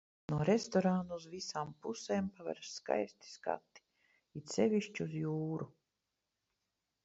No restorāna uz visām pusēm paveras skaisti skati, it sevišķi uz jūru.